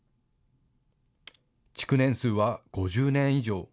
築年数は５０年以上。